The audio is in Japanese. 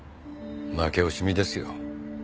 負け惜しみですよ。